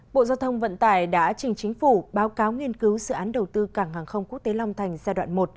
bộ giao thông vận tải đã trình chính phủ báo cáo nghiên cứu sự án đầu tư cảng hàng không quốc tế long thành giai đoạn một